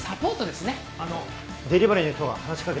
あのデリバリーの人が話し掛けて。